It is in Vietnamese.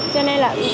cho nên là